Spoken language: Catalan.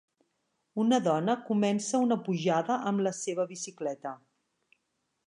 Una dona comença una pujada amb la seva bicicleta.